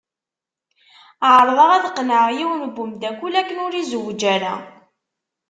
Ԑerḍeɣ ad qennεeɣ yiwen n wemdakel akken ur izewweǧ ara.